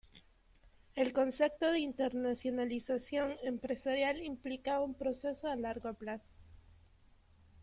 El concepto de internacionalización empresarial implica un proceso a largo plazo.